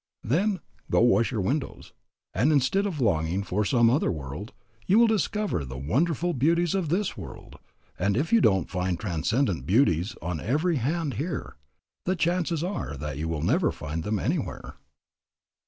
Then, go wash your windows, and instead of longing for some other world, you will discover the wonderful beauties of this world; and if you don't find transcendent beauties on every hand here, the chances are that you will never find them anywhere.